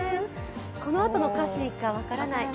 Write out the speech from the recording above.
このあとの歌詞が分からない。